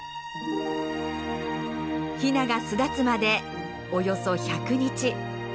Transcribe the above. ヒナが巣立つまでおよそ１００日。